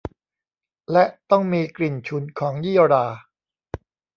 และต้องมีกลิ่นฉุนของยี่หร่า